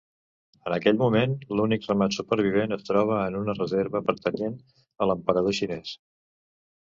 En aquell moment, l'únic ramat supervivent es troba en una reserva pertanyent a l'emperador xinès.